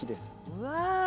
うわ。